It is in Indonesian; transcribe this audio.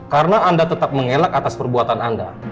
karena anda tetap mengelak atas perbuatan anda